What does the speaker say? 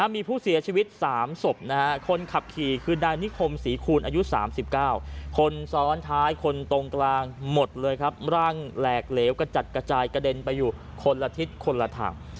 มีผู้เสียชีวิต๓ศพคนขับขี่คือนายนิคมศรีคูณอายุ๓๙คนซ้อนท้ายคนตรงกลางหมดเลยครับร่างแหลกเหลวกระจัดกระจายกระเด็นไปอยู่คนละทิศคนละทาง